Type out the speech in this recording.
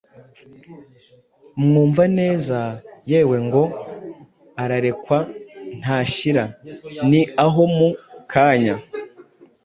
Mwumvaneza: Yewe, ngo ararekwa ntashira ni aho mu kanya;